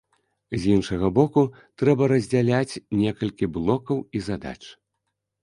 З іншага боку, трэба раздзяляць некалькі блокаў і задач.